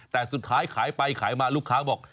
แต่สุดท้ายขายไปขายมาลูกค้าบอก